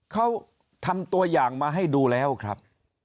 เขาทำตัวอย่างมาให้ดูแล้วครับ